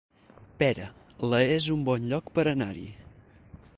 Pera, la es un bon lloc per anar-hi